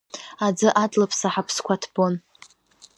Аӡы адлаԥса ҳаԥсқәа ҭбон.